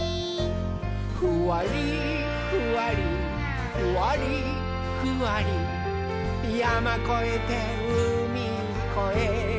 「ふわりふわりふわりふわりやまこえてうみこえて」